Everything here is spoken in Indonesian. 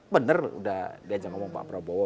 bener udah diajak ngomong pak prabowo